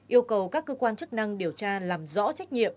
yêu cầu các cơ quan chức năng điều tra làm rõ trách nhiệm